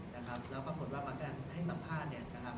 แล้วปรากฏว่ามากันให้สัมภาษณ์